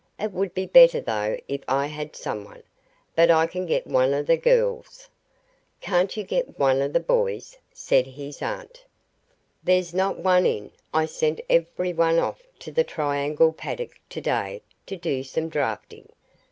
It would be better though if I had some one. But I can get one of the girls." "Can't you get one of the boys?" said his aunt. "There's not one in. I sent every one off to the Triangle paddock today to do some drafting.